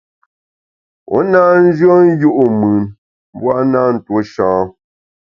U na nyùen yu’ mùn mbu (w) a na ntuo sha.